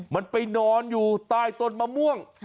มันไปนอนอยู่ใต้ต้นมะม่วง